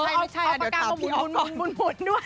เออเอาปากกาเอาหมุนด้วย